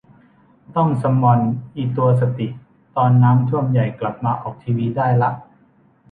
ต้องซัมมอนอิตัวสติตอนน้ำท่วมใหญ่กลับมาออกทีวีได้ละ